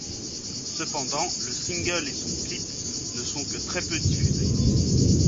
Cependant, le single et son clip ne sont que très peu diffusés.